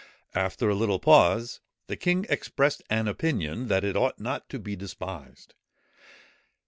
After a little pause, the king expressed an opinion that it ought not to be despised.